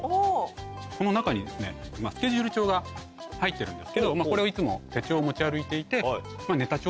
この中にスケジュール帳が入ってるんですけどこれをいつも手帳を持ち歩いていて。